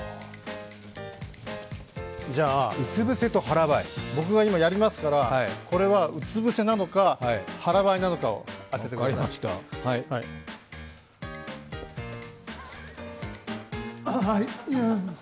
じゃあ、僕が今やりますからこれがうつ伏せなのか腹ばいなのかを当ててください。